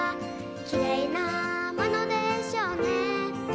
「きれいなものでしょうね」